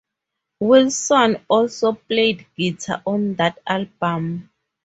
Wilson also played guitar on that album.